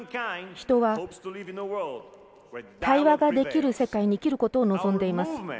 人は、対話ができる世界に生きることを望んでいます。